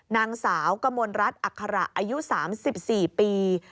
นางสาวกมลรัฐอัคระอายุ๓๔ปี